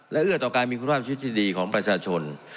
และเอื้อต่อการมีคุณภาพชีวิตที่ดีของประชาชน